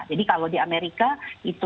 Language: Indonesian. jadi kalau di amerika itu dua